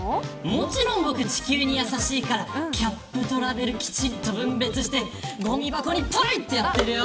もちろん僕は地球に優しいからキャップとラベルをきちんと分別してごみ箱にぽいってやっているよ。